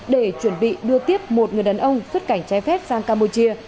để chuẩn bị đưa tiếp một người đàn ông xuất cảnh trái phép sang campuchia